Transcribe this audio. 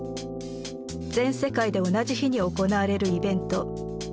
全世界で同じ日に行われるイベント。